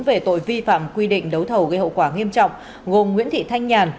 về tội vi phạm quy định đấu thầu gây hậu quả nghiêm trọng gồm nguyễn thị thanh nhàn